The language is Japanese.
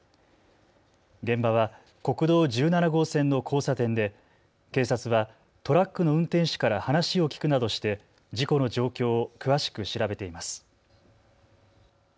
現場は国道１７号線の交差点で警察はトラックの運転手から話を聞くなどして事故の状況を詳しく調べています。